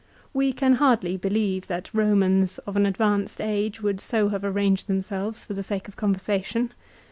We can hardly believe that Romans of an advanced age would so have arranged themselves for the sake of conversation.